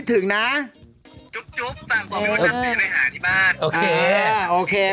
สู้โวยพร